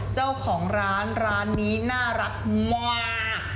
เจ้าของร้านร้านนี้น่ารักมาก